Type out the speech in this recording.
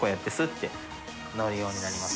ッて乗るようになります。